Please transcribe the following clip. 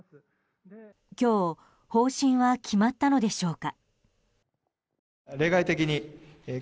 今日方針は決まったのでしょうか。